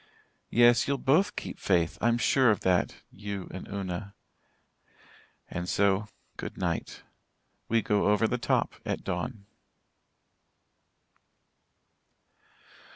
Yes, you'll both keep faith I'm sure of that you and Una. And so goodnight. We go over the top at dawn."